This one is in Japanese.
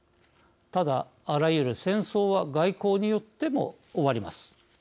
ただ、あらゆる戦争は外交によっても終わります。